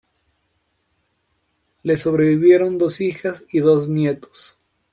Le sobrevivieron dos hijas y dos nietos.